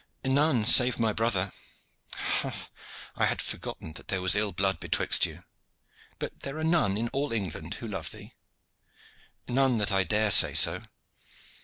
"None, save my brother." "Ha! I had forgotten that there was ill blood betwixt you. But are there none in all England who love thee?" "None that I dare say so."